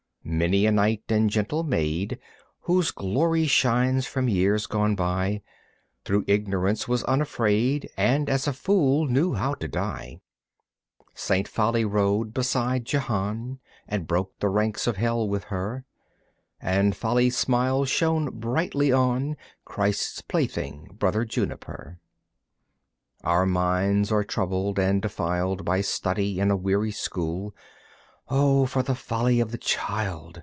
Many a knight and gentle maid, Whose glory shines from years gone by, Through ignorance was unafraid And as a fool knew how to die. Saint Folly rode beside Jehanne And broke the ranks of Hell with her, And Folly's smile shone brightly on Christ's plaything, Brother Juniper. Our minds are troubled and defiled By study in a weary school. O for the folly of the child!